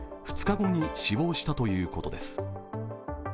２日後に死亡したということです。